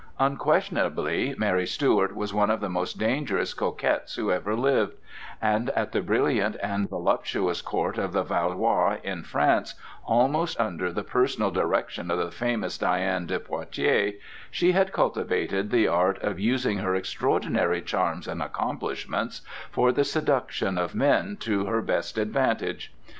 Unquestionably Mary Stuart was one of the most dangerous coquettes who ever lived, and at the brilliant and voluptuous court of the Valois in France, almost under the personal direction of the famous Diana de Poitiers, she had cultivated the art of using her extraordinary charms and accomplishments for the seduction of men to her best advantage.